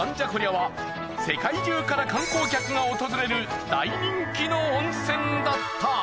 は世界中から観光客が訪れる大人気の温泉だった。